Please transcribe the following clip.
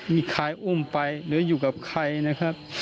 มีใครอุ้มไปหรืออยู่กับใครนะครับ